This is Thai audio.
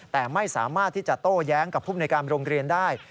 แต่ไม่สามารถที่จะโต้แย้งกับภูมิในการโรงเรียนได้